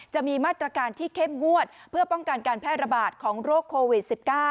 จะมีมาตรการที่เข้มงวดเพื่อป้องกันการแพร่ระบาดของโรคโควิด๑๙